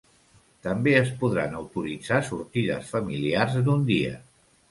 També es podran autoritzar sortides familiars d'un dia.